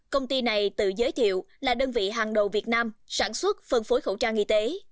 công ty này tự giới thiệu là đơn vị hàng đầu việt nam sản xuất phân phối khẩu trang y tế